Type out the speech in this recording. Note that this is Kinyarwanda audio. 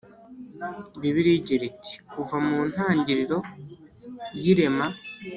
Bibiliya igira iti kuva mu ntangiriro y irema